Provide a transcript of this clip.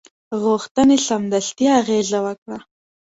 غوښتنې سمدستي اغېزه وکړه.